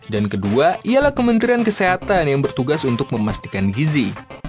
dan kedua ialah kementrian kesehatan yang bertugas untuk memastikan gizi